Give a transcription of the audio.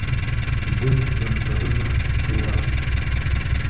Лым бампӏэрымэ щыуащ.